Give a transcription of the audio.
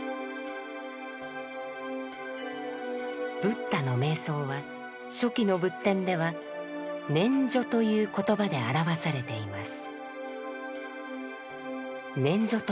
ブッダの瞑想は初期の仏典では「念処」という言葉で表わされています。